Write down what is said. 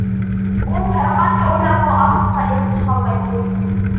ئۇ ھەرقانچە ئويلاپمۇ ئاخىرىغا ئېلىپ چىقالمايتتى.